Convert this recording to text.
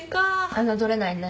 侮れないね。